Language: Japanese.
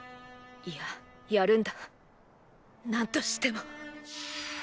いややるんだ何としても。